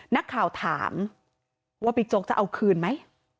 นักข่าวถามว่าบิ๊กโจ๊กจะเอาคืนไหม